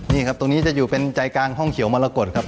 นี่ครับตรงนี้จะอยู่เป็นใจกลางห้องเขียวมรกฏครับ